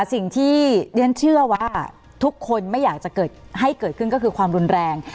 สิ่งที่เรียนเชื่อว่าทุกคนไม่อยากจะให้เกิดขึ้นก็คือความรุนแรง